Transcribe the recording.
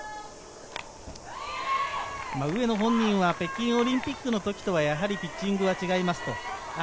上野本人は北京オリンピックの時とはやはりピッチングは違います。